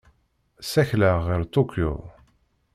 Ssakleɣ ɣer Tokyo.